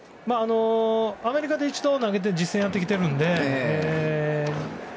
アメリカで一度投げて実戦をやってきてるので。